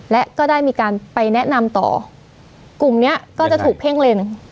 และก็ได้มีการไปแนะนำต่อกลุ่มเนี้ยก็จะถูกเพ่งเล็ง